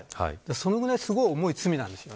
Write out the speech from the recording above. それぐらいすごい重い罪なんです。